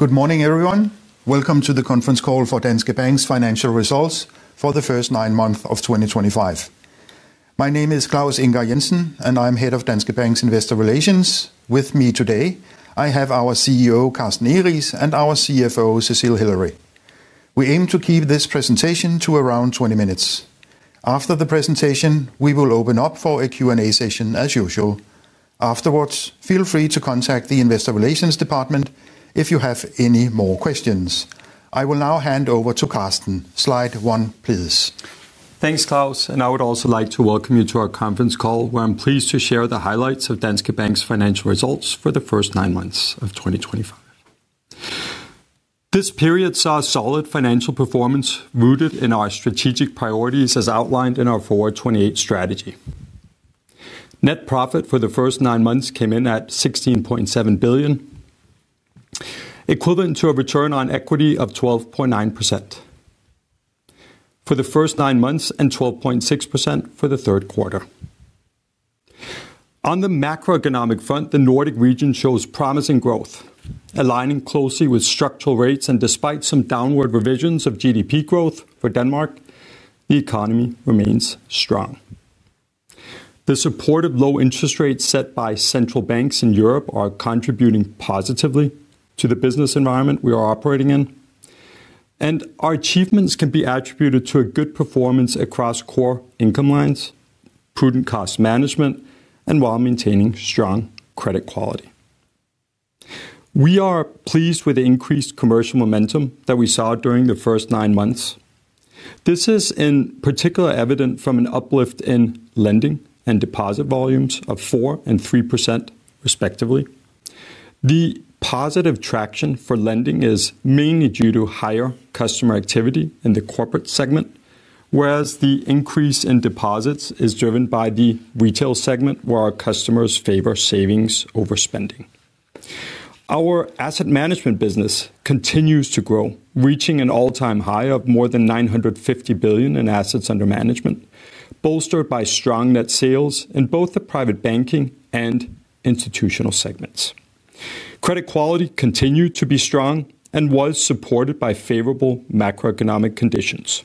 Good morning, everyone. Welcome to the conference call for Danske Bank's financial results for the first nine months of 2025. My name is Claus Ingar Jensen, and I'm Head of Danske Bank's Investor Relations. With me today, I have our CEO, Carsten Egeriis, and our CFO, Cecile Hillary. We aim to keep this presentation to around 20 minutes. After the presentation, we will open up for a Q&A session as usual. Afterwards, feel free to contact the Investor Relations Department if you have any more questions. I will now hand over to Carsten. Slide one, please. Thanks, Claus. I would also like to welcome you to our conference call, where I'm pleased to share the highlights of Danske Bank's financial results for the first nine months of 2025. This period saw solid financial performance rooted in our strategic priorities, as outlined in our Forward '28 strategy. Net profit for the first nine months came in at 16.7 billion, equivalent to a return on equity of 12.9% for the first nine months and 12.6% for the third quarter. On the macroeconomic front, the Nordics show promising growth, aligning closely with structural rates. Despite some downward revisions of GDP growth for Denmark, the economy remains strong. The supportive low interest rates set by central banks in Europe are contributing positively to the business environment we are operating in. Our achievements can be attributed to a good performance across core income lines and prudent cost management, while maintaining strong credit quality. We are pleased with the increased commercial momentum that we saw during the first nine months. This is in particular evident from an uplift in lending and deposit volumes of 4% and 3%, respectively. The positive traction for lending is mainly due to higher customer activity in the corporate segment, whereas the increase in deposits is driven by the retail segment, where our customers favor savings over spending. Our asset management business continues to grow, reaching an all-time high of more than 950 billion in assets under management, bolstered by strong net sales in both the private banking and institutional segments. Credit quality continued to be strong and was supported by favorable macroeconomic conditions.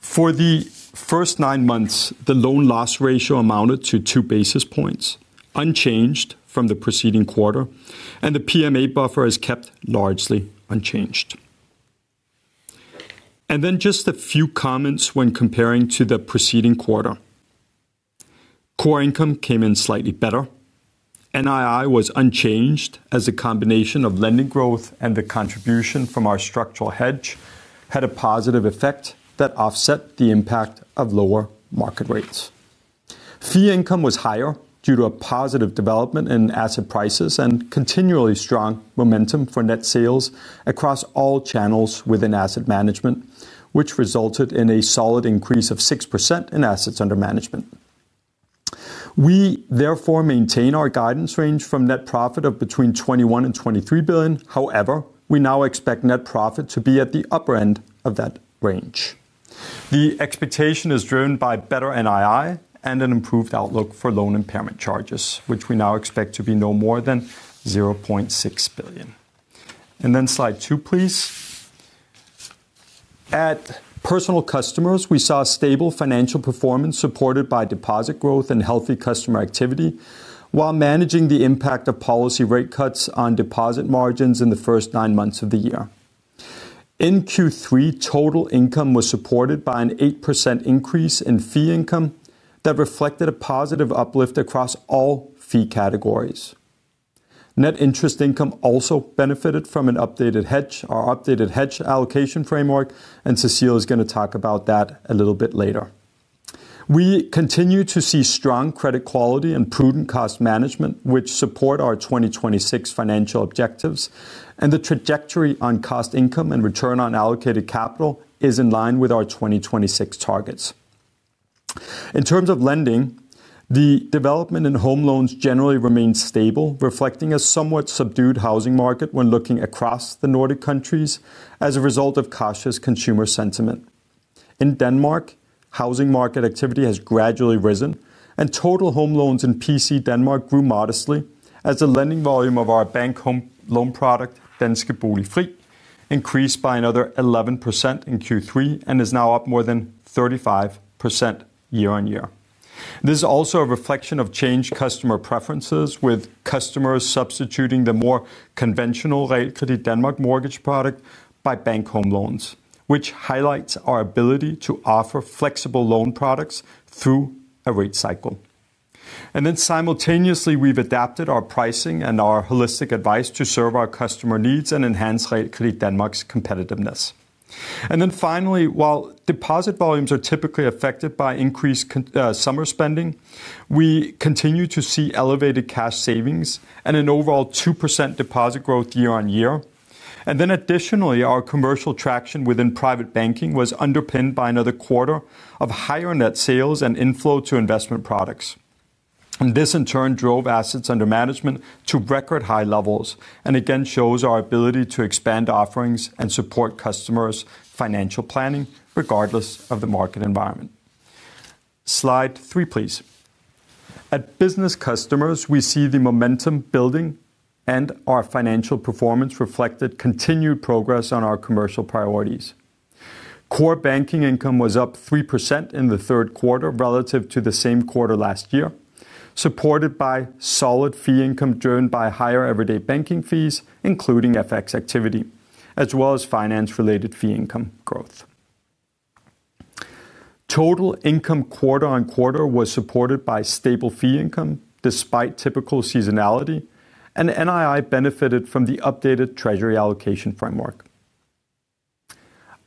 For the first nine months, the loan loss ratio amounted to 2 basis points, unchanged from the preceding quarter, and the PMA buffer is kept largely unchanged. Just a few comments when comparing to the preceding quarter. Core income came in slightly better. Net interest income was unchanged, as the combination of lending growth and the contribution from our structural deposit hedge had a positive effect that offset the impact of lower market rates. Fee income was higher due to a positive development in asset prices and continually strong momentum for net sales across all channels within asset management, which resulted in a solid increase of 6% in assets under management. We therefore maintain our guidance range for net profit of between 21 billion and 23 billion. However, we now expect net profit to be at the upper end of that range. The expectation is driven by better NII and an improved outlook for loan impairment charges, which we now expect to be no more than 0.6 billion. Slide two, please. At Personal Customers, we saw stable financial performance supported by deposit growth and healthy customer activity while managing the impact of policy rate cuts on deposit margins in the first nine months of the year. In Q3, total income was supported by an 8% increase in fee income that reflected a positive uplift across all fee categories. Net interest income also benefited from an updated hedge, our updated hedge allocation framework, and Cecile is going to talk about that a little bit later. We continue to see strong credit quality and prudent cost management, which support our 2026 financial objectives. The trajectory on cost-to-income and return on allocated capital is in line with our 2026 targets. In terms of lending, the development in home loans generally remains stable, reflecting a somewhat subdued housing market when looking across the Nordics as a result of cautious consumer sentiment. In Denmark, housing market activity has gradually risen, and total home loans in PC Denmark grew modestly as the lending volume of our bank home loan product, Danske Bolig Fri, increased by another 11% in Q3 and is now up more than 35% year-on-year. This is also a reflection of changed customer preferences, with customers substituting the more conventional Realkredit Danmark mortgage product by bank home loans, which highlights our ability to offer flexible loan products through a rate cycle. Simultaneously, we've adapted our pricing and our holistic advice to serve our customer needs and enhance Realkredit Danmark's competitiveness. Finally, while deposit volumes are typically affected by increased summer spending, we continue to see elevated cash savings and an overall 2% deposit growth year-on-year. Additionally, our commercial traction within private banking was underpinned by another quarter of higher net sales and inflow to investment products. This, in turn, drove assets under management to record high levels and again shows our ability to expand offerings and support customers' financial planning regardless of the market environment. Slide three, please. At Business Customers, we see the momentum building and our financial performance reflected continued progress on our commercial priorities. Core banking income was up 3% in the third quarter relative to the same quarter last year, supported by solid fee income driven by higher everyday banking fees, including FX activity, as well as finance-related fee income growth. Total income quarter-on-quarter was supported by stable fee income despite typical seasonality, and NII benefited from the updated treasury allocation framework.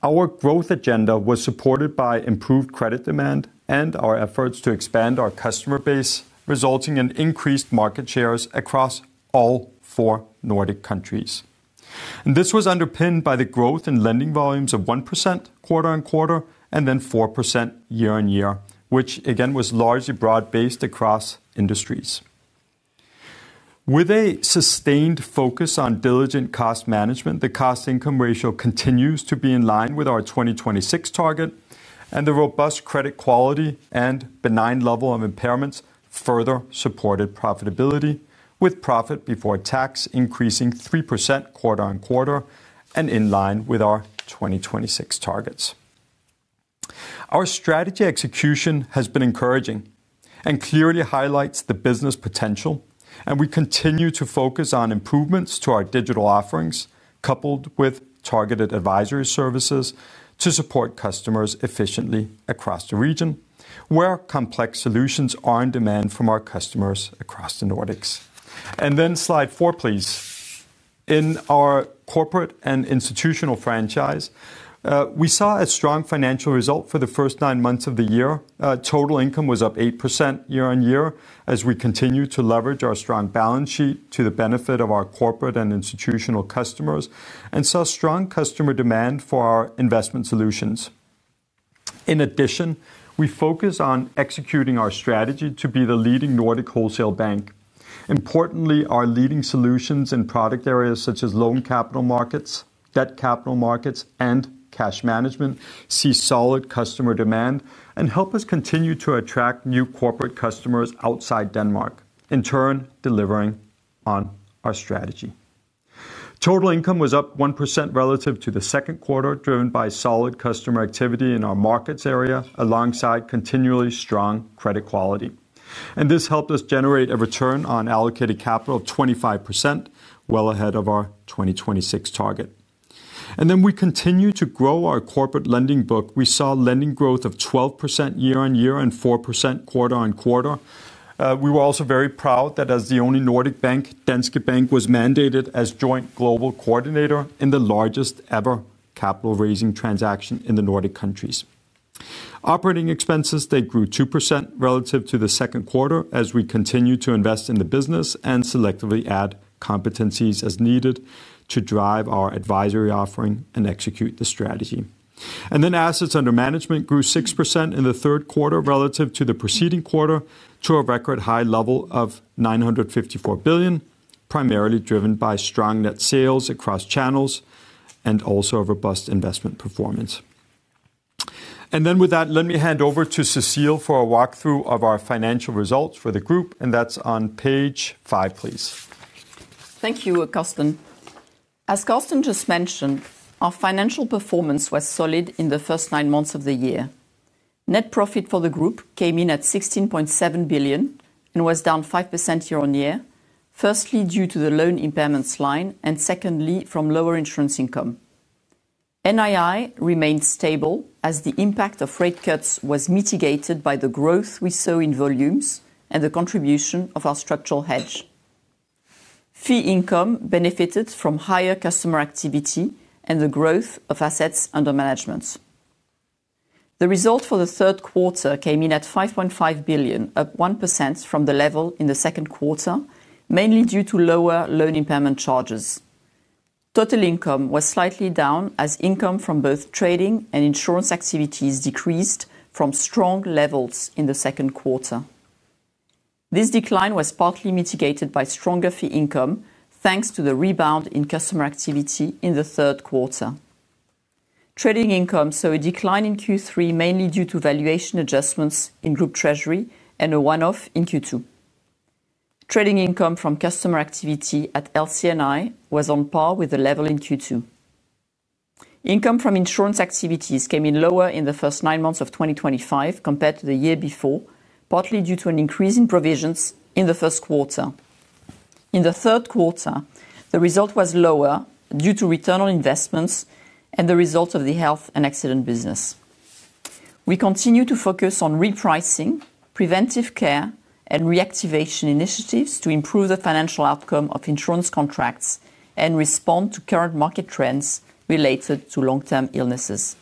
Our growth agenda was supported by improved credit demand and our efforts to expand our customer base, resulting in increased market shares across all four Nordic countries. This was underpinned by the growth in lending volumes of 1% quarter on quarter and 4% year-on-year, which again was largely broad-based across industries. With a sustained focus on diligent cost management, the cost-to-income ratio continues to be in line with our 2026 target, and the robust credit quality and benign level of impairments further supported profitability, with profit before tax increasing 3% quarter on quarter and in line with our 2026 targets. Our strategy execution has been encouraging and clearly highlights the business potential, and we continue to focus on improvements to our digital offerings coupled with targeted advisory services to support customers efficiently across the region, where complex solutions are in demand from our customers across the Nordics. On slide four, in our corporate and institutional franchise, we saw a strong financial result for the first nine months of the year. Total income was up 8% year-on-year as we continue to leverage our strong balance sheet to the benefit of our corporate and institutional customers and saw strong customer demand for our investment solutions. In addition, we focus on executing our strategy to be the leading Nordic wholesale bank. Importantly, our leading solutions in product areas such as loan capital markets, debt capital markets, and cash management see solid customer demand and help us continue to attract new corporate customers outside Denmark, in turn delivering on our strategy. Total income was up 1% relative to the second quarter, driven by solid customer activity in our markets area alongside continually strong credit quality. This helped us generate a return on allocated capital of 25%, well ahead of our 2026 target. We continue to grow our corporate lending book. We saw lending growth of 12% year-on-year and 4% quarter-on-quarter. We were also very proud that as the only Nordic bank, Danske Bank was mandated as joint global coordinator in the largest ever capital raising transaction in the Nordic countries. Operating expenses grew 2% relative to the second quarter as we continue to invest in the business and selectively add competencies as needed to drive our advisory offering and execute the strategy. Assets under management grew 6% in the third quarter relative to the preceding quarter to a record high level of 954 billion, primarily driven by strong net sales across channels and also robust investment performance. With that, let me hand over to Cecile for a walkthrough of our financial results for the group, and that's on page five, please. Thank you, Carsten. As Carsten just mentioned, our financial performance was solid in the first nine months of the year. Net profit for the group came in at 16.7 billion and was down 5% year-on-year, firstly due to the loan impairments line and secondly from lower insurance income. NII remained stable as the impact of rate cuts was mitigated by the growth we saw in volumes and the contribution of our structural deposit hedge. Fee income benefited from higher customer activity and the growth of assets under management. The result for the third quarter came in at 5.5 billion, up 1% from the level in the second quarter, mainly due to lower loan impairment charges. Total income was slightly down as income from both trading and insurance activities decreased from strong levels in the second quarter. This decline was partly mitigated by stronger fee income thanks to the rebound in customer activity in the third quarter. Trading income saw a decline in Q3 mainly due to valuation adjustments in Group Treasury and a one-off in Q2. Trading income from customer activity at LC&I was on par with the level in Q2. Income from insurance activities came in lower in the first nine months of 2025 compared to the year before, partly due to an increase in provisions in the first quarter. In the third quarter, the result was lower due to return on investments and the result of the health and accident business. We continue to focus on repricing, preventive care, and reactivation initiatives to improve the financial outcome of insurance contracts and respond to current market trends related to long-term illnesses.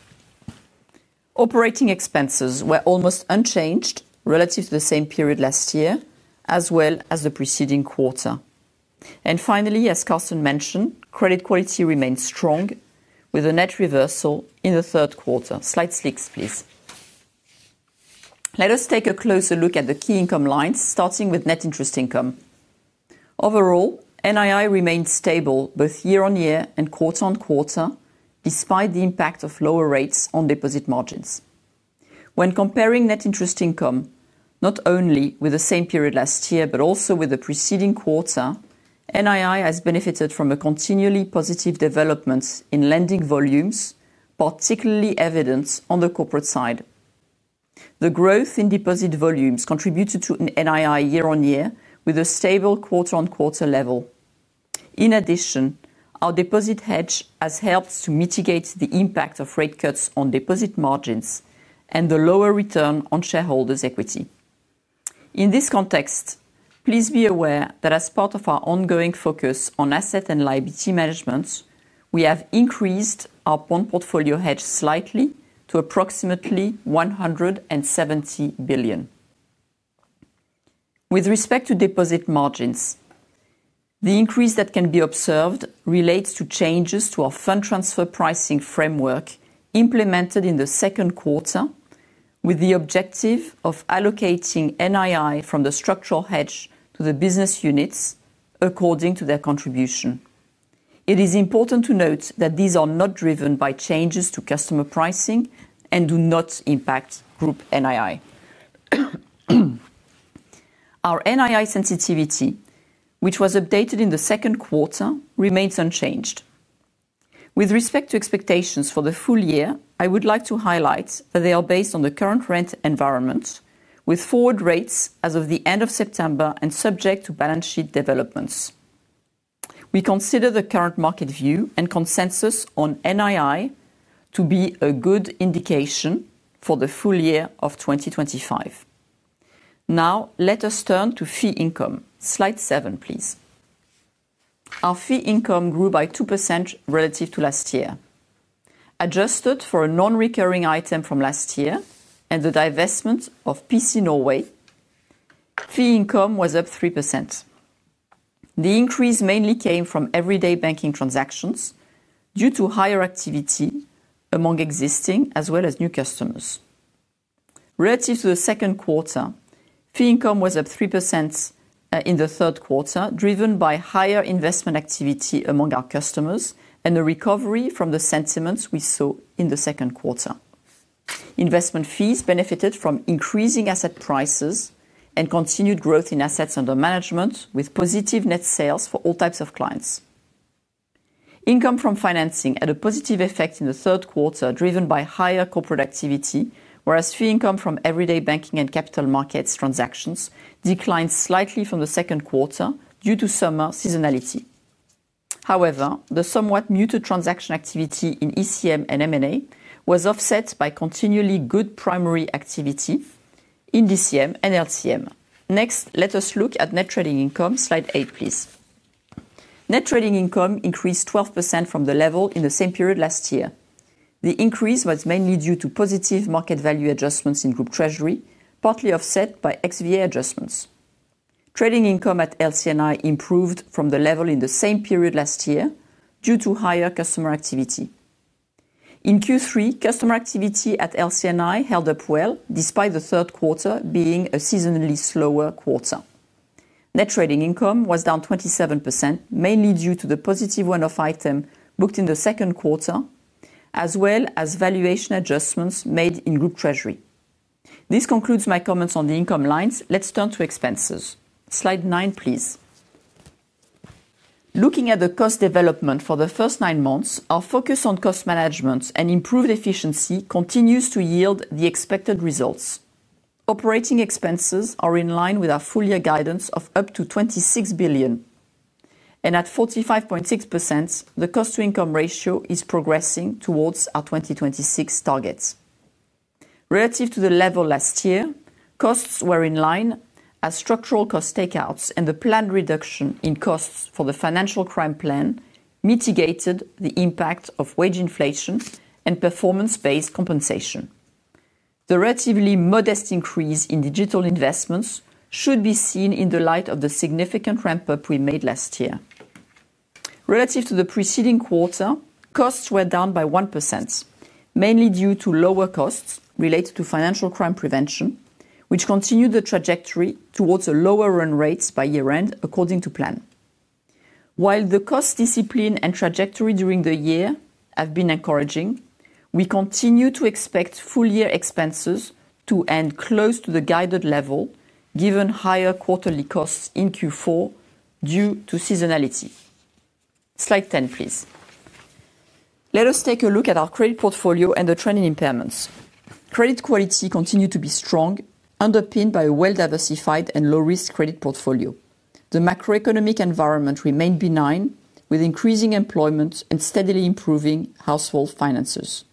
Operating expenses were almost unchanged relative to the same period last year, as well as the preceding quarter. As Carsten mentioned, credit quality remained strong with a net reversal in the third quarter. Slide six, please. Let us take a closer look at the key income lines, starting with net interest income. Overall, NII remained stable both year on year and quarter on quarter, despite the impact of lower rates on deposit margins. When comparing net interest income, not only with the same period last year but also with the preceding quarter, NII has benefited from a continually positive development in lending volumes, particularly evident on the corporate side. The growth in deposit volumes contributed to NII year on year with a stable quarter on quarter level. In addition, our deposit hedge has helped to mitigate the impact of rate cuts on deposit margins and the lower return on shareholders' equity. In this context, please be aware that as part of our ongoing focus on asset and liability management, we have increased our bond portfolio hedge slightly to approximately 170 billion. With respect to deposit margins, the increase that can be observed relates to changes to our fund transfer pricing framework implemented in the second quarter, with the objective of allocating NII from the structural hedge to the business units according to their contribution. It is important to note that these are not driven by changes to customer pricing and do not impact group NII. Our NII sensitivity, which was updated in the second quarter, remains unchanged. With respect to expectations for the full year, I would like to highlight that they are based on the current rate environment, with forward rates as of the end of September and subject to balance sheet developments. We consider the current market view and consensus on NII to be a good indication for the full year of 2025. Now, let us turn to fee income. Slide seven, please. Our fee income grew by 2% relative to last year. Adjusted for a non-recurring item from last year and the divestment of PC Norway, fee income was up 3%. The increase mainly came from everyday banking transactions due to higher activity among existing as well as new customers. Relative to the second quarter, fee income was up 3% in the third quarter, driven by higher investment activity among our customers and the recovery from the sentiments we saw in the second quarter. Investment fees benefited from increasing asset prices and continued growth in assets under management, with positive net sales for all types of clients. Income from financing had a positive effect in the third quarter, driven by higher corporate activity, whereas fee income from everyday banking and capital markets transactions declined slightly from the second quarter due to summer seasonality. However, the somewhat muted transaction activity in ECM and M&A activity was offset by continually good primary activity in DCM and LCM. Next, let us look at net trading income. Slide eight, please. Net trading income increased 12% from the level in the same period last year. The increase was mainly due to positive market value adjustments in Group Treasury, partly offset by XVA adjustments. Trading income at LC&I improved from the level in the same period last year due to higher customer activity. In Q3, customer activity at LC&I held up well despite the third quarter being a seasonally slower quarter. Net trading income was down 27%, mainly due to the positive one-off item booked in the second quarter, as well as valuation adjustments made in Group Treasury. This concludes my comments on the income lines. Let's turn to expenses. Slide nine, please. Looking at the cost development for the first nine months, our focus on cost management and improved efficiency continues to yield the expected results. Operating expenses are in line with our full year guidance of up to 26 billion. At 45.6%, the cost-to-income ratio is progressing towards our 2026 target. Relative to the level last year, costs were in line as structural cost takeouts and the planned reduction in costs for the financial crime plan mitigated the impact of wage inflation and performance-based compensation. The relatively modest increase in digital investments should be seen in the light of the significant ramp-up we made last year. Relative to the preceding quarter, costs were down by 1%, mainly due to lower costs related to financial crime prevention, which continued the trajectory towards lower run rates by year-end according to plan. While the cost discipline and trajectory during the year have been encouraging, we continue to expect full year expenses to end close to the guided level, given higher quarterly costs in Q4 due to seasonality. Slide 10, please. Let us take a look at our credit portfolio and the trend in impairments. Credit quality continued to be strong, underpinned by a well-diversified and low-risk credit portfolio. The macroeconomic environment remained benign, with increasing employment and steadily improving household finances.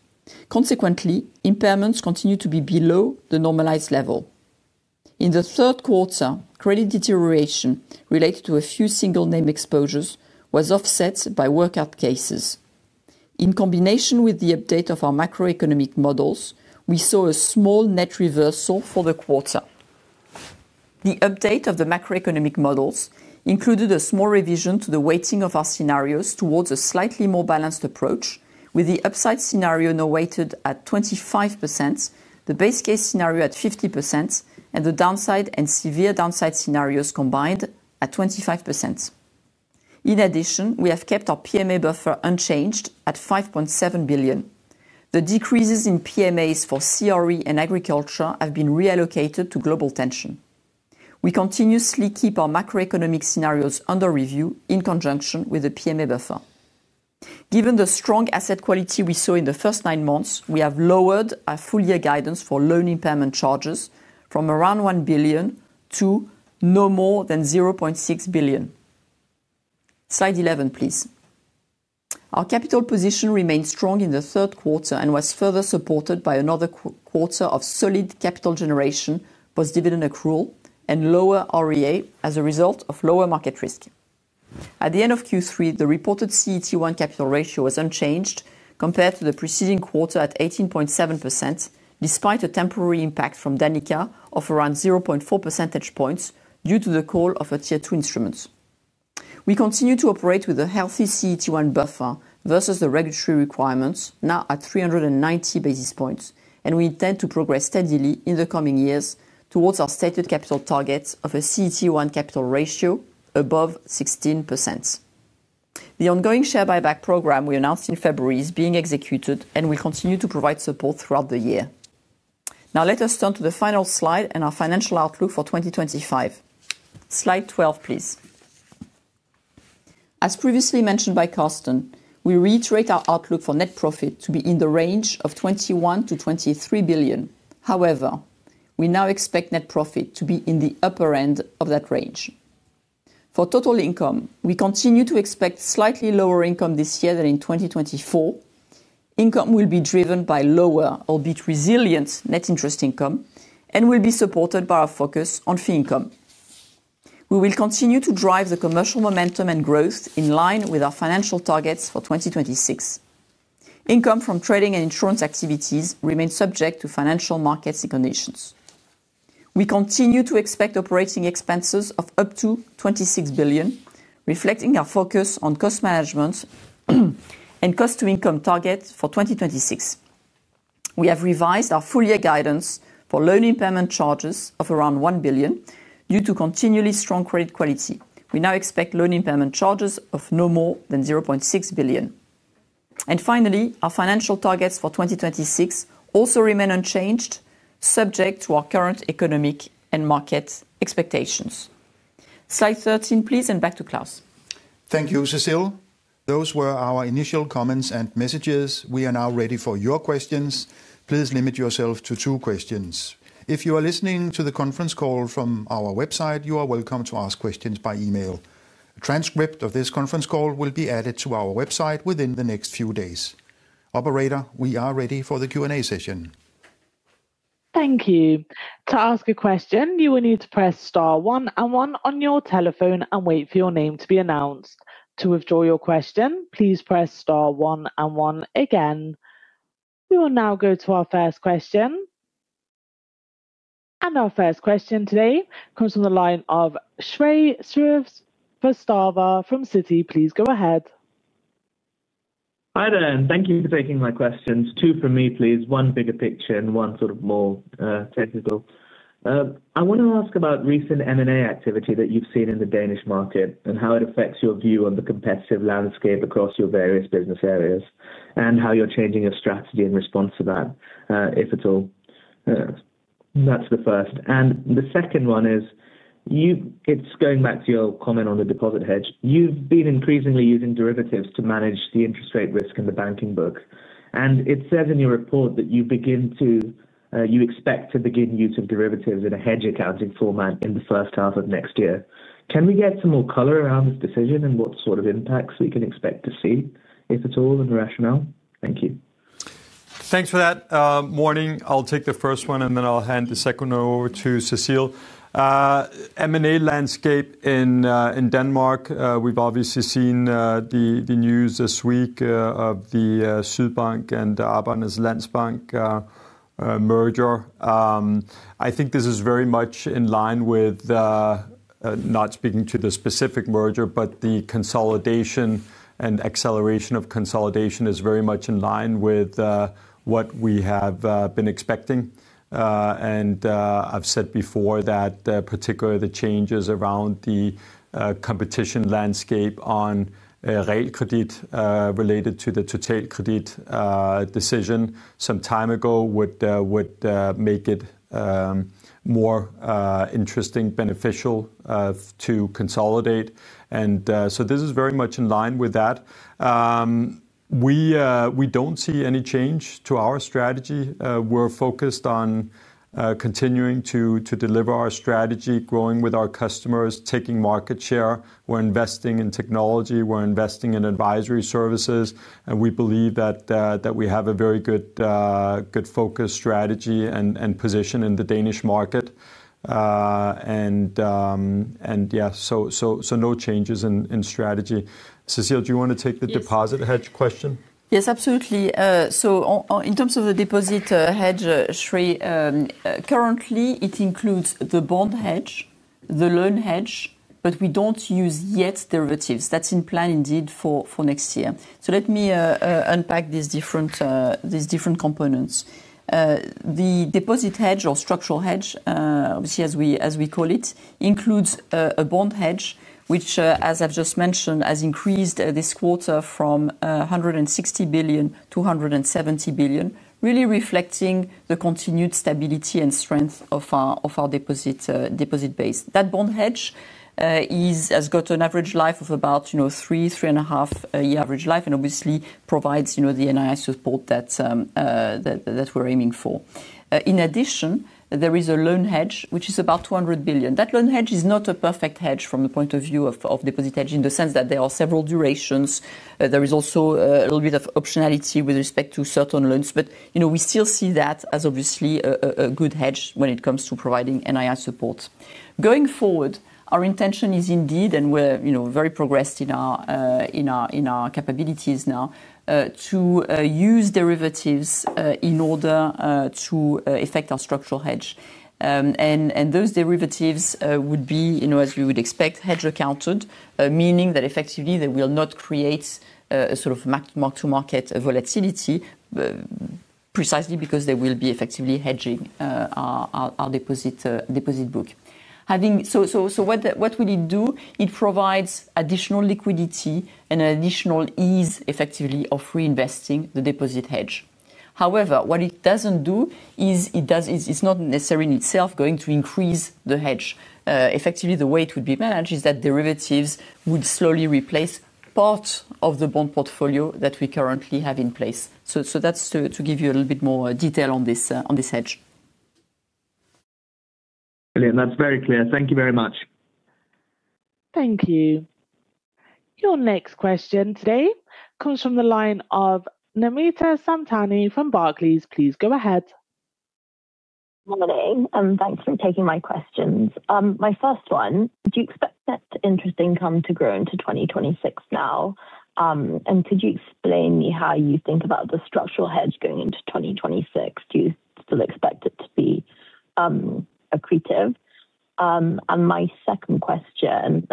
Consequently, impairments continued to be below the normalized level. In the third quarter, credit deterioration related to a few single-name exposures was offset by workout cases. In combination with the update of our macroeconomic models, we saw a small net reversal for the quarter. The update of the macroeconomic models included a small revision to the weighting of our scenarios towards a slightly more balanced approach, with the upside scenario now weighted at 25%, the base case scenario at 50%, and the downside and severe downside scenarios combined at 25%. In addition, we have kept our PMA buffer unchanged at 5.7 billion. The decreases in PMAs for CRE and agriculture have been reallocated to global tension. We continuously keep our macroeconomic scenarios under review in conjunction with the PMA buffer. Given the strong asset quality we saw in the first nine months, we have lowered our full year guidance for loan impairment charges from around 1 billion to no more than 0.6 billion. Slide 11, please. Our capital position remained strong in the third quarter and was further supported by another quarter of solid capital generation, post-dividend accrual, and lower REA as a result of lower market risk. At the end of Q3, the reported CET1 capital ratio was unchanged compared to the preceding quarter at 18.7%, despite a temporary impact from Danica of around 0.4 percentage points due to the call of a tier two instrument. We continue to operate with a healthy CET1 buffer versus the regulatory requirements, now at 390 basis points, and we intend to progress steadily in the coming years towards our stated capital target of a CET1 capital ratio above 16%. The ongoing share buyback program we announced in February is being executed and will continue to provide support throughout the year. Now, let us turn to the final slide and our financial outlook for 2025. Slide 12, please. As previously mentioned by Carsten, we reiterate our outlook for net profit to be in the range of 21 billion-23 billion. However, we now expect net profit to be in the upper end of that range. For total income, we continue to expect slightly lower income this year than in 2024. Income will be driven by lower or beat resilient net interest income and will be supported by our focus on fee income. We will continue to drive the commercial momentum and growth in line with our financial targets for 2026. Income from trading and insurance activities remains subject to financial markets and conditions. We continue to expect operating expenses of up to 26 billion, reflecting our focus on cost management. The cost-to-income target for 2026. We have revised our full year guidance for loan impairment charges of around 1 billion due to continually strong credit quality. We now expect loan impairment charges of no more than 0.6 billion. Finally, our financial targets for 2026 also remain unchanged, subject to our current economic and market expectations. Slide 13, please, and back to Claus. Thank you, Cecile. Those were our initial comments and messages. We are now ready for your questions. Please limit yourself to two questions. If you are listening to the conference call from our website, you are welcome to ask questions by email. A transcript of this conference call will be added to our website within the next few days. Operator, we are ready for the Q&A session. Thank you. To ask a question, you will need to press star one and one on your telephone and wait for your name to be announced. To withdraw your question, please press star one and one again. We will now go to our first question. Our first question today comes from the line of Shrey Srivastava from Citi. Please go ahead. Hi there. Thank you for taking my questions. Two for me, please. One bigger picture and one sort of more technical. I want to ask about recent M&A activity that you've seen in the Danish market and how it affects your view on the competitive landscape across your various business areas and how you're changing your strategy in response to that, if at all. That's the first. The second one is, it's going back to your comment on the deposit hedge. You've been increasingly using derivatives to manage the interest rate risk in the banking book. It says in your report that you expect to begin use of derivatives in a hedge accounting format in the first half of next year. Can we get some more color around this decision and what sort of impacts we can expect to see, if at all, and the rationale? Thank you. Thanks for that warning. I'll take the first one, and then I'll hand the second one over to Cecile. M&A landscape in Denmark, we've obviously seen the news this week of the Sydbank and Arbejdernes Landsbank merger. I think this is very much in line with, not speaking to the specific merger, but the consolidation and acceleration of consolidation is very much in line with what we have been expecting. I've said before that particularly the changes around the competition landscape on rate credit related to the total credit decision some time ago would make it more interesting, beneficial to consolidate. This is very much in line with that. We don't see any change to our strategy. We're focused on continuing to deliver our strategy, growing with our customers, taking market share. We're investing in technology. We're investing in advisory services. We believe that we have a very good, focused strategy and position in the Danish market. No changes in strategy. Cecile, do you want to take the deposit hedge question? Yes, absolutely. In terms of the deposit hedge, Shrey, currently it includes the bond hedge, the loan hedge, but we don't use yet derivatives. That's in plan indeed for next year. Let me unpack these different components. The deposit hedge or structural hedge, obviously as we call it, includes a bond hedge, which, as I've just mentioned, has increased this quarter from 160 billion-170 billion, really reflecting the continued stability and strength of our deposit base. That bond hedge has got an average life of about three, three and a half year average life and obviously provides the NII support that we're aiming for. In addition, there is a loan hedge, which is about 200 billion. That loan hedge is not a perfect hedge from the point of view of deposit hedge in the sense that there are several durations. There is also a little bit of optionality with respect to certain loans, but we still see that as obviously a good hedge when it comes to providing NII support. Going forward, our intention is indeed, and we're very progressed in our capabilities now, to use derivatives in order to affect our structural hedge. Those derivatives would be, as we would expect, hedge accounted, meaning that effectively they will not create a sort of mark-to-market volatility. Precisely because they will be effectively hedging our deposit book. What will it do? It provides additional liquidity and an additional ease, effectively, of reinvesting the deposit hedge. However, what it doesn't do is it's not necessarily in itself going to increase the hedge. Effectively, the way it would be managed is that derivatives would slowly replace part of the bond portfolio that we currently have in place. That's to give you a little bit more detail on this hedge. Brilliant. That's very clear. Thank you very much. Thank you. Your next question today comes from the line of Namita Samtani from Barclays. Please go ahead. Good morning. Thanks for taking my questions. My first one, do you expect net interest income to grow into 2026 now? Could you explain to me how you think about the structural hedge going into 2026? Do you still expect it to be accretive? My second question,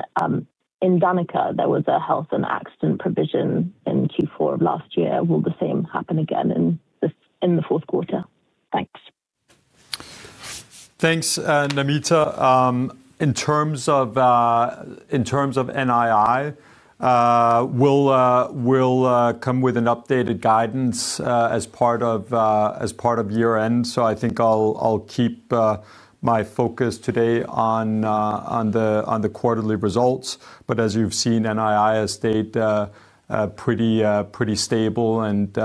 in Danica, there was a health and accident provision in Q4 of last year. Will the same happen again in the fourth quarter? Thanks. Thanks, Namita. In terms of NII, we'll come with an updated guidance as part of year-end. I think I'll keep my focus today on the quarterly results. As you've seen, NII has stayed pretty stable, and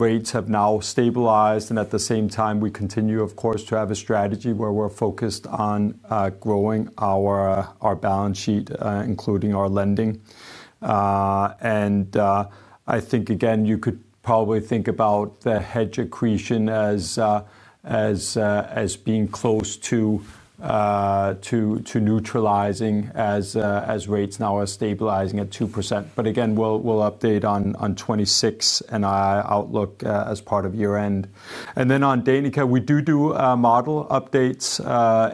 rates have now stabilized. At the same time, we continue, of course, to have a strategy where we're focused on growing our balance sheet, including our lending. I think, again, you could probably think about the hedge accretion as being close to neutralizing as rates now are stabilizing at 2%. We'll update on 2026 NII outlook as part of year-end. On Danica, we do model updates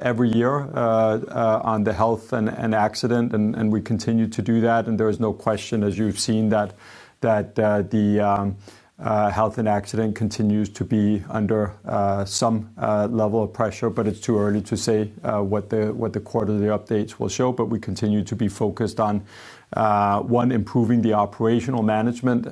every year on the health and accident, and we continue to do that. There is no question, as you've seen, that the health and accident continues to be under some level of pressure, but it's too early to say what the quarterly updates will show. We continue to be focused on improving the operational management,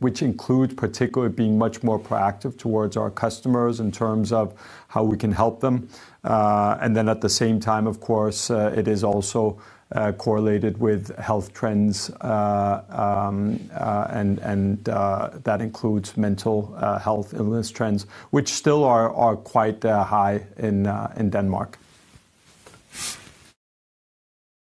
which includes particularly being much more proactive towards our customers in terms of how we can help them. At the same time, of course, it is also correlated with health trends, and that includes mental health illness trends, which still are quite high in Denmark.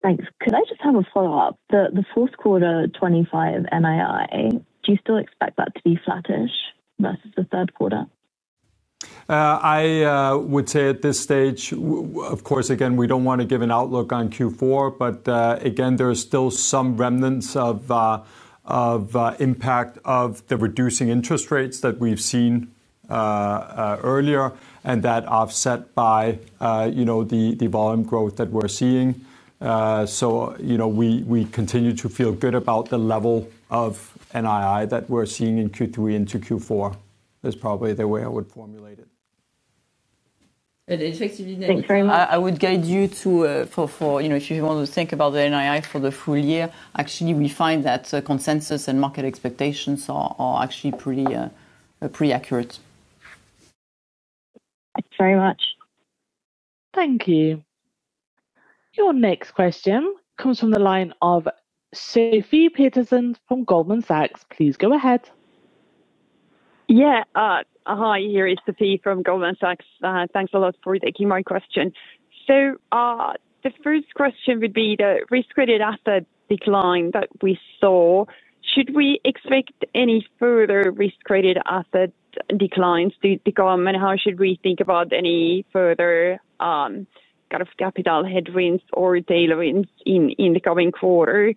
Thanks. Could I just have a follow-up? The fourth quarter 2025 NII, do you still expect that to be flattish versus the third quarter? I would say at this stage, of course, we don't want to give an outlook on Q4, but there's still some remnants of impact of the reducing interest rates that we've seen earlier and that offset by the volume growth that we're seeing. We continue to feel good about the level of NII that we're seeing in Q3 into Q4. That's probably the way I would formulate it. Effectively, I would guide you to, if you want to think about the NII for the full year, actually, we find that consensus and market expectations are actually pretty accurate. Thanks very much. Thank you. Your next question comes from the line of Sofie Peterzéns from Goldman Sachs. Please go ahead. Yeah. Hi, here is Sofie from Goldman Sachs. Thanks a lot for taking my question. The first question would be the risk-rated asset decline that we saw. Should we expect any further risk-rated asset declines to the government? How should we think about any further kind of capital headwinds or tailwinds in the coming quarters?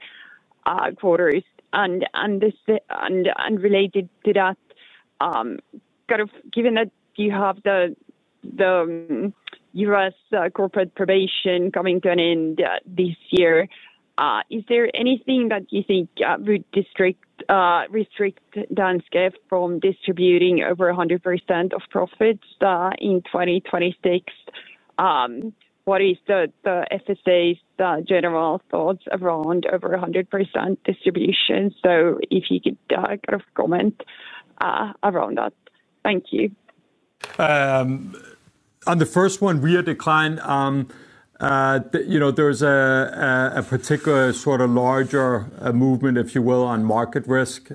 Related to that, given that you have the U.S. corporate probation coming to an end this year, is there anything that you think would restrict Danske from distributing over 100% of profits in 2026? What is the FSA's general thoughts around over 100% distribution? If you could comment around that. Thank you. On the first one, real decline, there's a particular sort of larger movement, if you will, on market risk.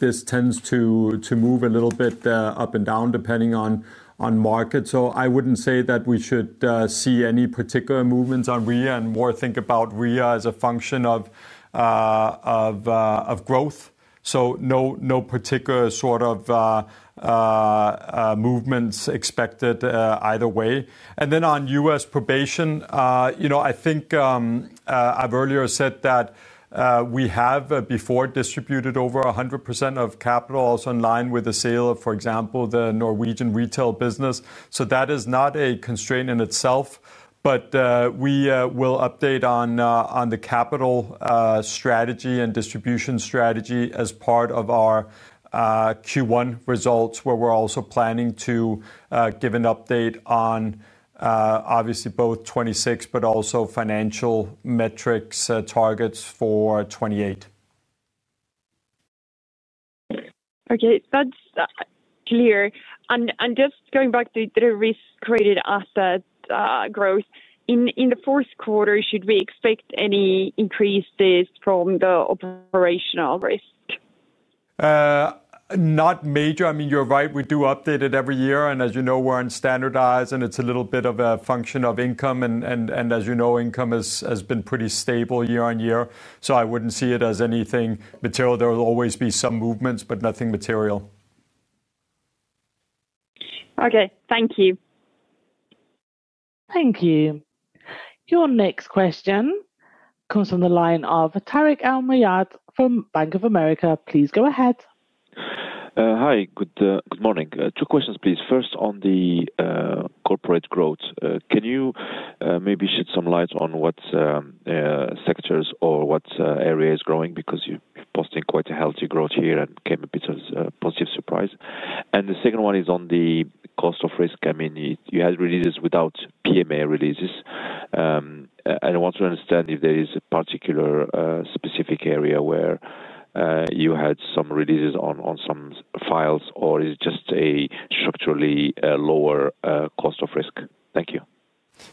This tends to move a little bit up and down depending on market. I wouldn't say that we should see any particular movements on REIT and more think about REIT as a function of growth. No particular movements expected either way. On U.S. probation, I've earlier said that we have before distributed over 100% of capital in line with the sale of, for example, the Norwegian retail business. That is not a constraint in itself, but we will update on the capital strategy and distribution strategy as part of our Q1 results, where we're also planning to give an update on, obviously, both 26, but also financial metrics targets for 28. That's clear. Just going back to the risk-rated asset growth, in the fourth quarter, should we expect any increases from the operational risk? Not major. You're right, we do update it every year. As you know, we're unstandardized, and it's a little bit of a function of income. As you know, income has been pretty stable year on year. I wouldn't see it as anything material. There will always be some movements, but nothing material. Okay. Thank you. Thank you. Your next question comes from the line of Tarik El Mejjad from Bank of America. Please go ahead. Hi. Good morning. Two questions, please. First, on the corporate growth, can you maybe shed some light on what sectors or what area is growing? You're posting quite a healthy growth here and came a bit of a positive surprise. The second one is on the cost of risk. You had releases without PMA releases, and I want to understand if there is a particular specific area where you had some releases on some files, or is it just a structurally lower cost of risk? Thank you.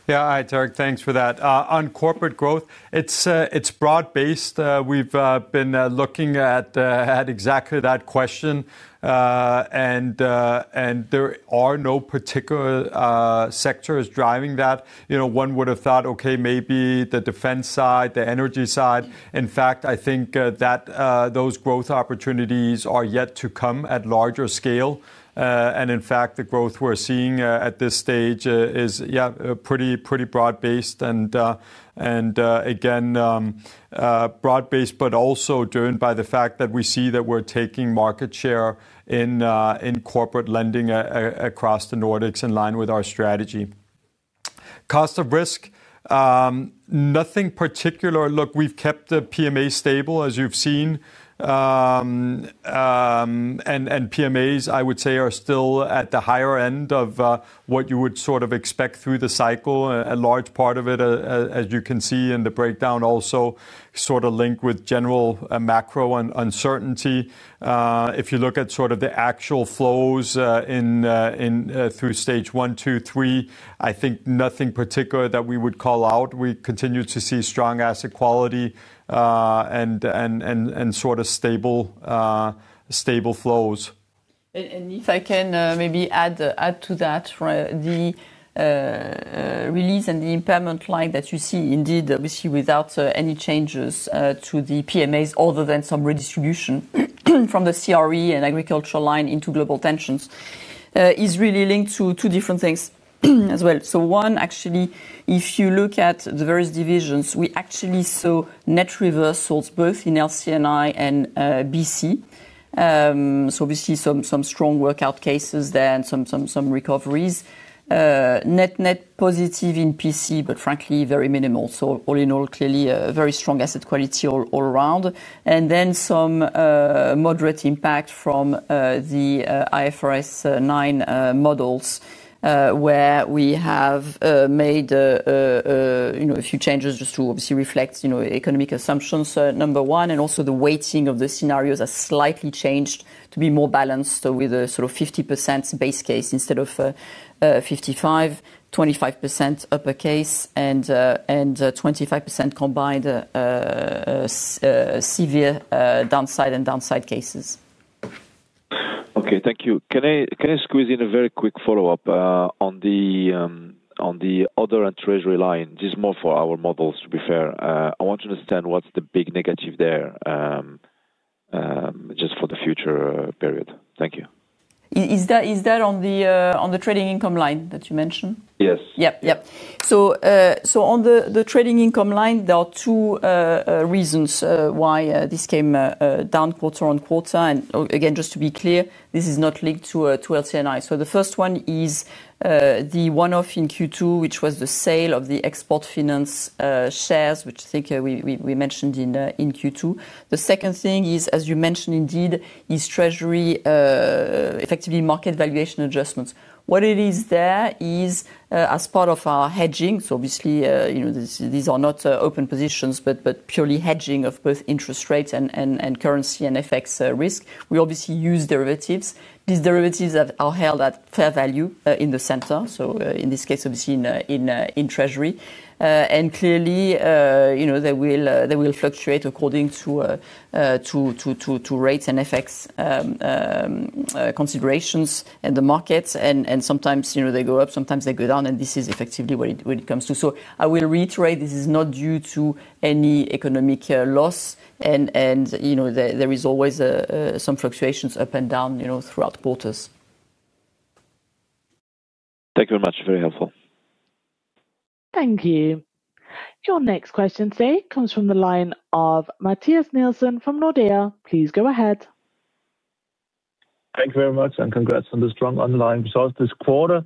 Yeah. Hi, Tarik. Thanks for that. On corporate growth, it's broad-based. We've been looking at exactly that question. There are no particular sectors driving that. One would have thought, maybe the defense side, the energy side. In fact, I think that those growth opportunities are yet to come at larger scale. The growth we're seeing at this stage is pretty broad-based. Broad-based, but also driven by the fact that we see that we're taking market share in corporate lending across the Nordics in line with our strategy. Cost of risk. Nothing particular. Look, we've kept the PMA stable, as you've seen. PMAs, I would say, are still at the higher end of what you would sort of expect through the cycle. A large part of it, as you can see in the breakdown, is also sort of linked with general macro uncertainty. If you look at the actual flows through stage one, two, three, I think nothing particular that we would call out. We continue to see strong asset quality and sort of stable flows. If I can maybe add to that, the release and the impairment line that you see, indeed, obviously, without any changes to the PMAs, other than some redistribution from the CRE and agricultural line into global tensions, is really linked to two different things as well. One, actually, if you look at the various divisions, we actually saw net reversals both in LC&I and BC. Obviously, some strong workout cases there and some recoveries. Net-net positive in PC, but frankly, very minimal. All in all, clearly, very strong asset quality all around. Then some moderate impact from the IFRS 9 models, where we have made a few changes just to obviously reflect economic assumptions, number one, and also the weighting of the scenarios has slightly changed to be more balanced with a 50% base case instead of 55%, 25% upper case, and 25% combined severe downside and downside cases. Okay. Thank you. Can I squeeze in a very quick follow-up on the other and treasury line? This is more for our models, to be fair. I want to understand what's the big negative there, just for the future period. Thank you. Is that on the trading income line that you mentioned? Yes. Yep. Yep. On the trading income line, there are two reasons why this came down quarter on quarter. Again, just to be clear, this is not linked to LC&I. The first one is the one-off in Q2, which was the sale of the export finance shares, which I think we mentioned in Q2. The second thing is, as you mentioned, indeed, is treasury, effectively market valuation adjustments. What it is there is as part of our hedging. These are not open positions, but purely hedging of both interest rates and currency and FX risk. We obviously use derivatives. These derivatives are held at fair value in the center, so in this case, obviously in treasury. Clearly, they will fluctuate according to rates and FX considerations in the markets, and sometimes they go up, sometimes they go down. This is effectively what it comes to. I will reiterate, this is not due to any economic loss. There are always some fluctuations up and down throughout quarters. Thank you very much. Very helpful. Thank you. Your next question comes from the line of Mathias Nielsen from Nordea. Please go ahead. Thank you very much, and congrats on the strong underlying results this quarter.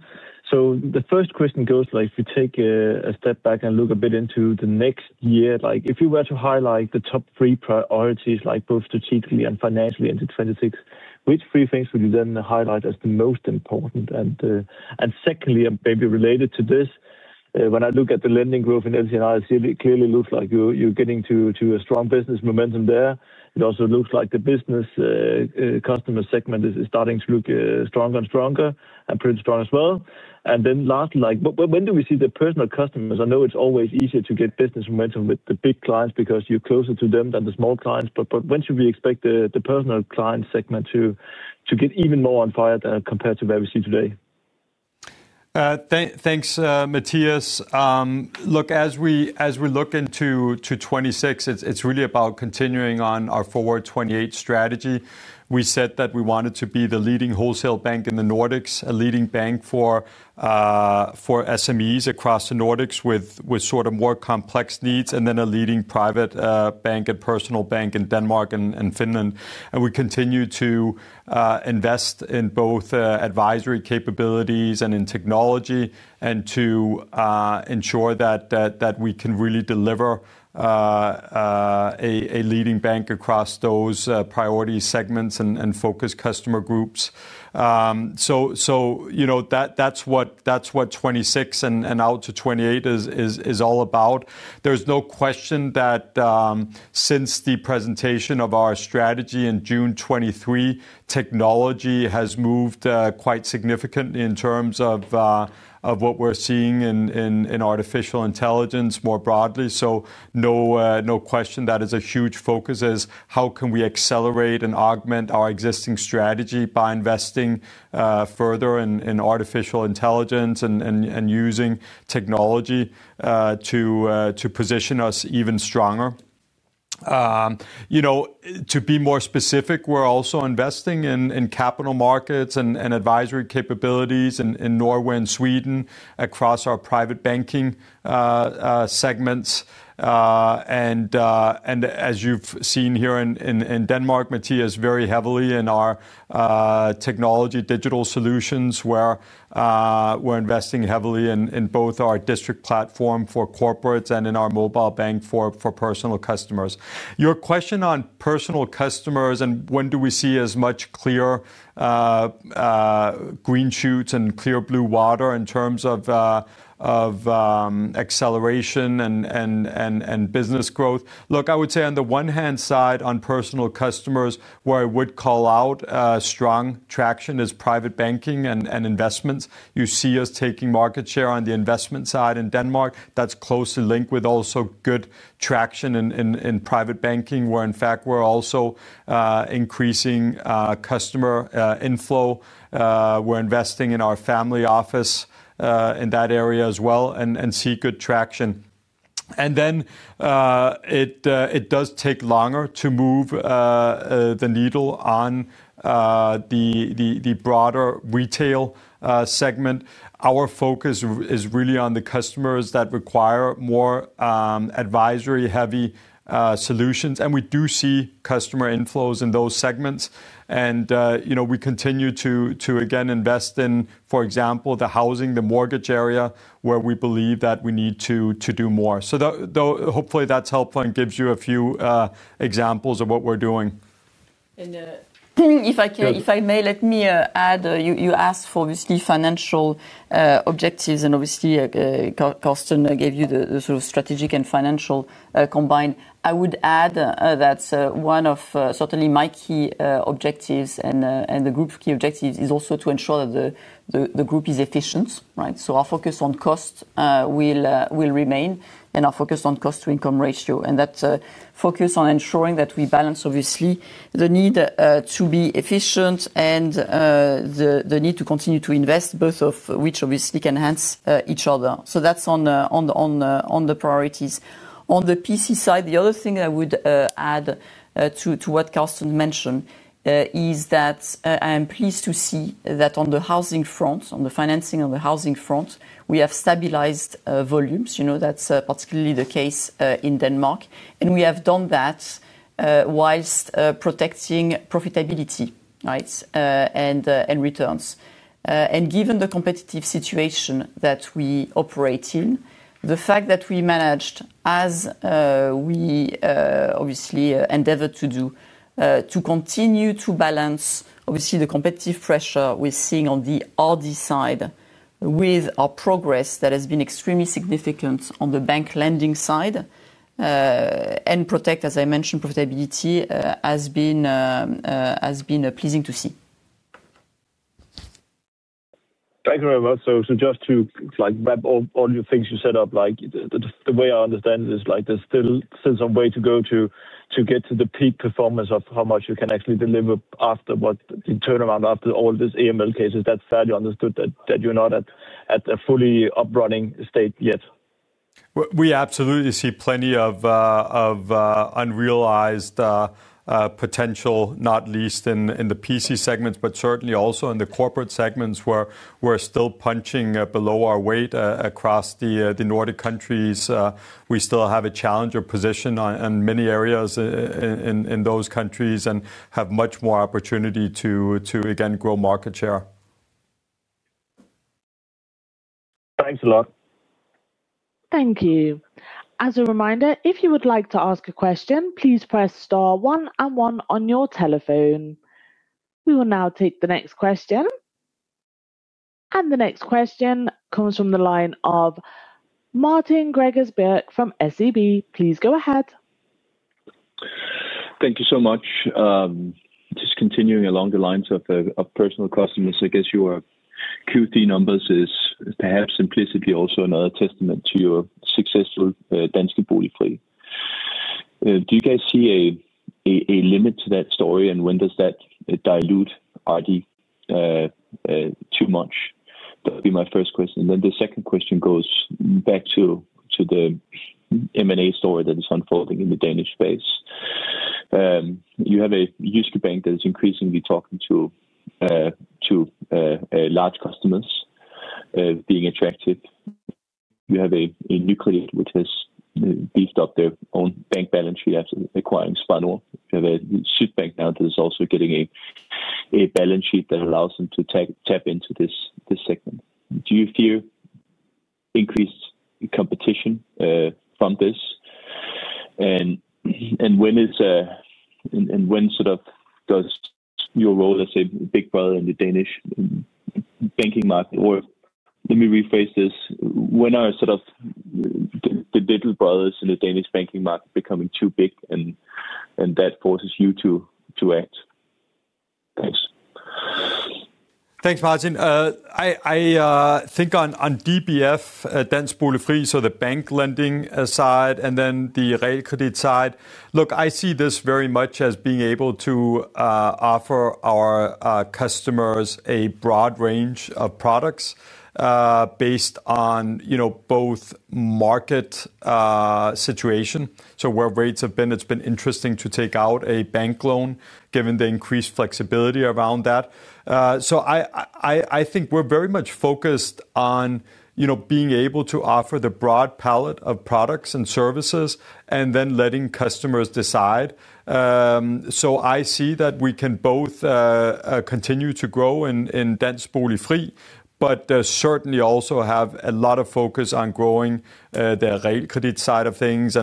The first question goes, if we take a step back and look a bit into the next year, if you were to highlight the top three priorities, both strategically and financially into 2026, which three things would you then highlight as the most important? Secondly, maybe related to this, when I look at the lending growth in LC&I, it clearly looks like you're getting to a strong business momentum there. It also looks like the business customer segment is starting to look stronger and stronger and pretty strong as well. Lastly, when do we see the Personal Customers? I know it's always easier to get business momentum with the big clients because you're closer to them than the small clients. When should we expect the personal client segment to get even more on fire compared to where we see today? Thanks, Mathias. Look, as we look into 2026, it's really about continuing on our Forward '28 strategy. We said that we wanted to be the leading wholesale bank in the Nordics, a leading bank for SMEs across the Nordics with more complex needs, and then a leading private bank and personal bank in Denmark and Finland. We continue to invest in both advisory capabilities and in technology to ensure that we can really deliver a leading bank across those priority segments and focus customer groups. That is what 2026 and out to 2028 is all about. There is no question that since the presentation of our strategy in June 2023, technology has moved quite significantly in terms of what we're seeing in artificial intelligence more broadly. No question that is a huge focus, how can we accelerate and augment our existing strategy by investing further in artificial intelligence and using technology to position us even stronger. To be more specific, we're also investing in capital markets and advisory capabilities in Norway and Sweden across our private banking segments. As you've seen here in Denmark, Mathias, very heavily in our technology digital solutions where. We're investing heavily in both our district platform for corporates and in our mobile bank for Personal Customers. Your question on Personal Customers and when do we see as much clear green shoots and clear blue water in terms of acceleration and business growth? I would say on the one hand side, on Personal Customers, where I would call out strong traction is private banking and investments. You see us taking market share on the investment side in Denmark. That's closely linked with also good traction in private banking, where in fact we're also increasing customer inflow. We're investing in our family office in that area as well and see good traction. It does take longer to move the needle on the broader retail segment. Our focus is really on the customers that require more advisory-heavy solutions. We do see customer inflows in those segments. We continue to, again, invest in, for example, the housing, the mortgage area, where we believe that we need to do more. Hopefully that's helpful and gives you a few examples of what we're doing. If I may, let me add, you asked for obviously financial objectives, and obviously Carsten gave you the sort of strategic and financial combined. I would add that one of certainly my key objectives and the group's key objectives is also to ensure that the group is efficient. Our focus on cost will remain and our focus on cost-to-income ratio. That focus on ensuring that we balance, obviously, the need to be efficient and the need to continue to invest, both of which obviously can enhance each other. That's on the priorities. On the PC side, the other thing I would add to what Carsten mentioned is that I am pleased to see that on the housing front, on the financing, on the housing front, we have stabilized volumes. That's particularly the case in Denmark. We have done that whilst protecting profitability and returns. Given the competitive situation that we operate in, the fact that we managed, as we obviously endeavored to do, to continue to balance, obviously, the competitive pressure we're seeing on the Audi side with our progress that has been extremely significant on the bank lending side and protect, as I mentioned, profitability has been pleasing to see. Thank you very much. Wrap all your things you set up, the way I understand it is there's still some way to go to get to the peak performance of how much you can actually deliver after the turnaround, after all this EML cases. That's fairly understood that you're not at a fully uprunning state yet. We absolutely see plenty of unrealized potential, not least in the PC segments, but certainly also in the corporate segments where we're still punching below our weight across the Nordic countries. We still have a challenger position in many areas in those countries and have much more opportunity to, again, grow market share. Thanks a lot. Thank you. As a reminder, if you would like to ask a question, please press star one and one on your telephone. We will now take the next question. The next question comes from the line of Martin Gregers Birk from SEB. Please go ahead. Thank you so much. Just continuing along the lines of Personal Customers, I guess your Q3 numbers is perhaps implicitly also another testament to your successful Danske Bolig Fri. Do you guys see a limit to that story, and when does that dilute Audi too much? That would be my first question. The second question goes back to the M&A story that is unfolding in the Danish space. You have a U.S. bank that is increasingly talking to large customers, being attractive. You have a nuclear which has beefed up their own bank balance sheet after acquiring Spar Nord. You have a Swedbank now that is also getting a balance sheet that allows them to tap into this segment. Do you fear increased competition from this? When sort of does your role as a big brother in the Danish banking market, or let me rephrase this, when are sort of the little brothers in the Danish banking market becoming too big, and that forces you to act? Thanks. Thanks, Martin. I think on DBF, Danske Bolig Fri, so the bank lending side, and then the rate credit side. Look, I see this very much as being able to offer our customers a broad range of products. Based on both market situation, so where rates have been, it's been interesting to take out a bank loan given the increased flexibility around that. I think we're very much focused on being able to offer the broad palette of products and services and then letting customers decide. I see that we can both continue to grow in Danske Bolig Fri, but certainly also have a lot of focus on growing the rate credit side of things.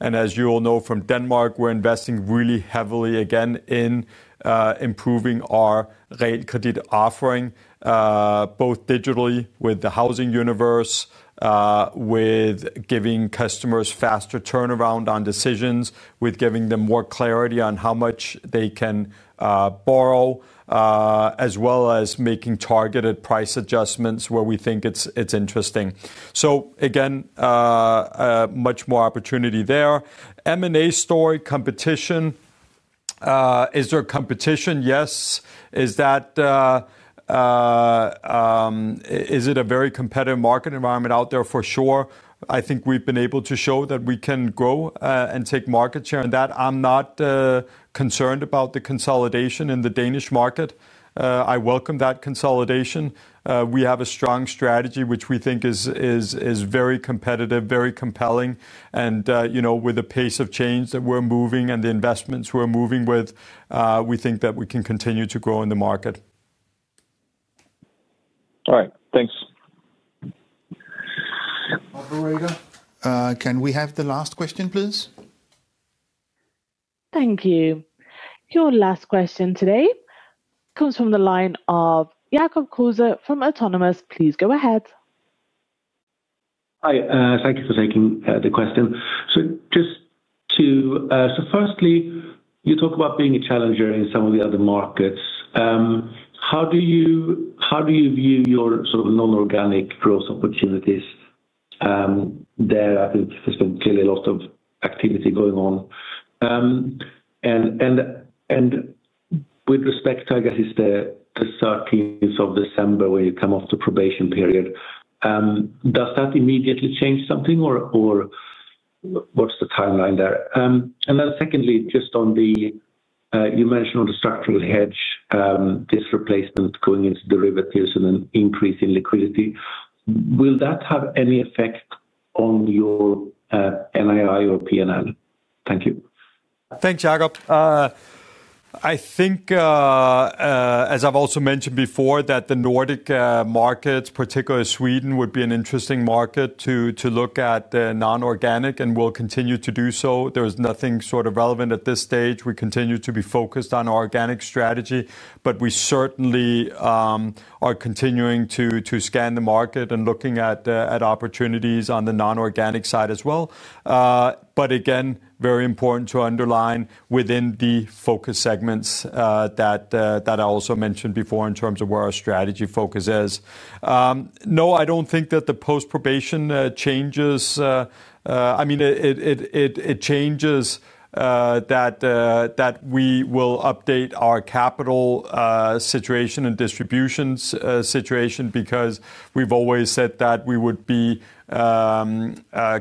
As you all know from Denmark, we're investing really heavily again in improving our rate credit offering, both digitally with the housing universe, giving customers faster turnaround on decisions, giving them more clarity on how much they can borrow, as well as making targeted price adjustments where we think it's interesting. Much more opportunity there. M&A story, competition. Is there competition? Yes. It is a very competitive market environment out there for sure. I think we've been able to show that we can grow and take market share in that. I'm not concerned about the consolidation in the Danish market. I welcome that consolidation. We have a strong strategy, which we think is very competitive, very compelling, and with the pace of change that we're moving and the investments we're moving with, we think that we can continue to grow in the market. All right. Thanks. Operator. Can we have the last question, please? Thank you. Your last question today comes from the line of Jacob Kruse from Autonomous. Please go ahead. Hi. Thank you for taking the question. Firstly, you talk about being a challenger in some of the other markets. How do you view your sort of non-organic growth opportunities? There, I think, there's been clearly a lot of activity going on. With respect to, I guess, it's the 13th of December when you come off the probation period. Does that immediately change something, or what's the timeline there? Secondly, just on the structural hedge, this replacement going into derivatives and an increase in liquidity, will that have any effect on your NII or P&L? Thank you. Thanks, Jackob. I think, as I've also mentioned before, that the Nordic markets, particularly Sweden, would be an interesting market to look at the non-organic and will continue to do so. There is nothing sort of relevant at this stage. We continue to be focused on our organic strategy, but we certainly are continuing to scan the market and looking at opportunities on the non-organic side as well. Again, very important to underline within the focus segments that I also mentioned before in terms of where our strategy focus is. No, I don't think that the post-probation changes. It changes that we will update our capital situation and distributions situation because we've always said that we would be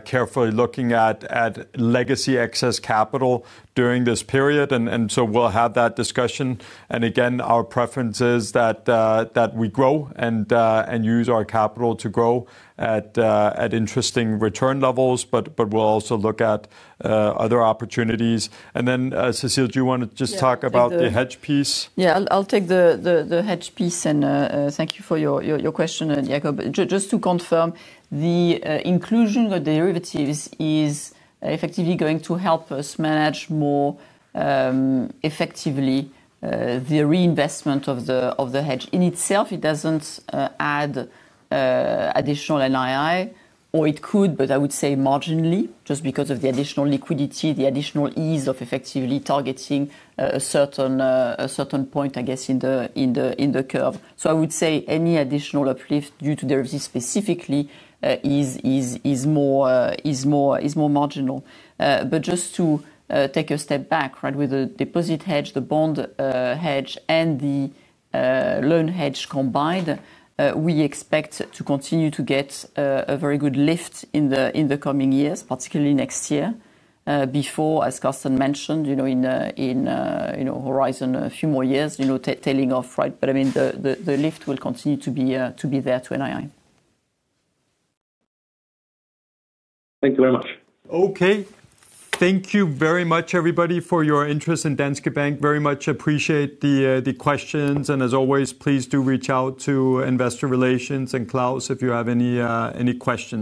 carefully looking at legacy excess capital during this period, and so we'll have that discussion. Our preference is that we grow and use our capital to grow at interesting return levels, but we'll also look at other opportunities. Cecile, do you want to just talk about the hedge piece? I'll take the hedge piece. Thank you for your question, Jakob. Just to confirm, the inclusion of the derivatives is effectively going to help us manage more effectively the reinvestment of the hedge in itself. It doesn't add additional NII, or it could, but I would say marginally, just because of the additional liquidity, the additional ease of effectively targeting a certain point, I guess, in the curve. I would say any additional uplift due to derivatives specifically is more marginal. Just to take a step back, with the deposit hedge, the bond hedge, and the loan hedge combined, we expect to continue to get a very good lift in the coming years, particularly next year, before, as Carsten mentioned, in horizon a few more years, tailing off. The lift will continue to be there to NII. Thank you very much. Okay. Thank you very much, everybody, for your interest in Danske Bank. Very much appreciate the questions. As always, please do reach out to Investor Relations and Claus if you have any questions.